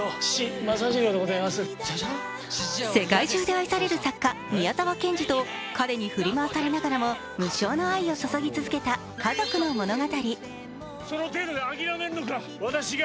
世界中で愛される作家、宮沢賢治と彼に振り回されながらも無償の愛を注ぎ続けた家族の物語。